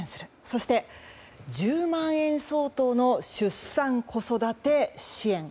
そして、１０万円相当の出産・子育て支援。